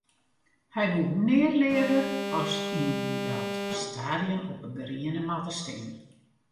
Hy woe neat leaver as yn dat stadion op 'e griene matte stean.